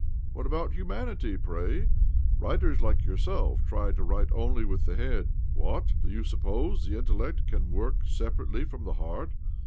What about humanity, pray? Writers like yourself try to write only with the head. What? Do you suppose the intellect can work separately from the heart?